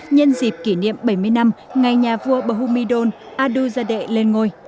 nhân dịp kỷ niệm bảy mươi năm ngày nhà vua bahumidon aduzade lên ngôi